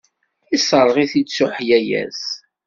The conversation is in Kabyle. Yesserɣ-it-id s uḥlalas.